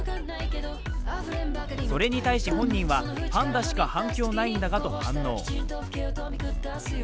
それに対し本人は、パンダしか反響ないんだがと反応。